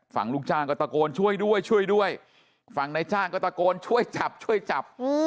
ลูกจ้างก็ตะโกนช่วยด้วยช่วยด้วยฝั่งนายจ้างก็ตะโกนช่วยจับช่วยจับ